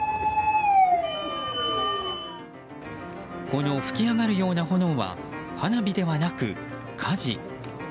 この噴き上がるような炎は花火ではなく火事。